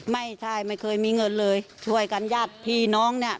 ไม่ใช่ไม่เคยมีเงินเลยช่วยกันยาดพี่น้องเนี่ย